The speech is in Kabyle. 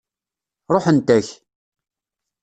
Ṛuḥent-ak.